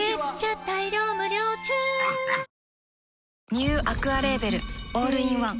ニューアクアレーベルオールインワン